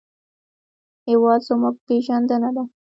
هېواد زموږ پېژندنه ده